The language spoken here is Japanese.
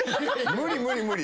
無理無理無理。